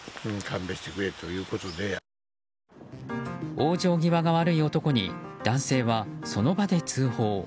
往生際が悪い男に男性は、その場で通報。